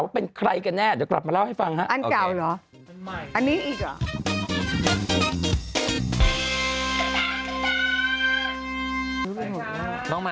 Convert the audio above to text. วินาทอ่ะจับไหมนะ